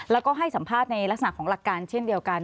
แล้วก็ให้สัมภาษณ์ในลักษณะของหลักการเช่นเดียวกัน